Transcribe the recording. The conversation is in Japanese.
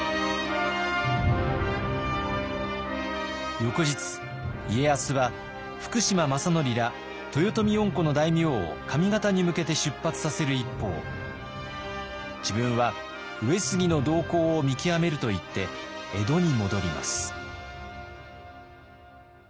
翌日家康は福島正則ら豊臣恩顧の大名を上方に向けて出発させる一方自分は上杉の動向を見極めるといって江戸に戻ります。